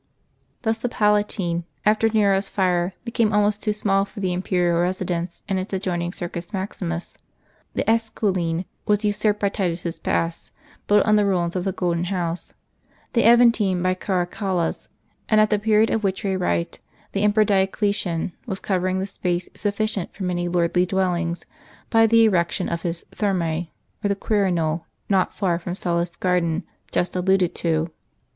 Thus the Palatine, after Nero's fire, became almost too small for the Imperial residence and its adjoining Circus Maximus. The Esquiline was usuiped by Titus's baths, built on the ruins of the Golden House, the Aventine by Caracalla's; and at the period of which we write, the Emperor Dioclesian was covering the space sufficient for many lordly dwellings, by the erection of his Thermae * on the Quirinal, not far from Sallust's garden, just alluded to.